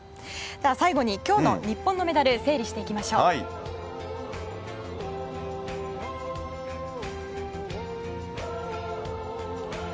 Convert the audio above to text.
最後に今日の日本のメダルを整理していきます。